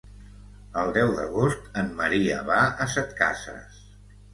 El deu d'agost en Maria va a Setcases.